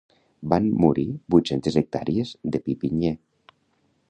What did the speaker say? Van morir vuit-centes hectàrees de pi pinyer.